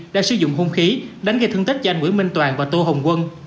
đã sử dụng hung khí đánh gây thương tích cho anh nguyễn minh toàn và tô hồng quân